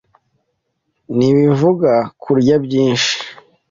Ntibivuga kurya byinshi